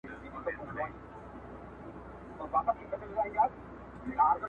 نه مې د وران زړګي بازار جوړېږي